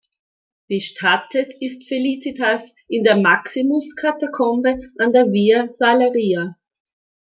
Bestattet ist Felicitas in der Maximus-Katakombe an der Via Salaria.